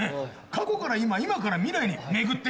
過去から今今から未来に巡っていくんだね。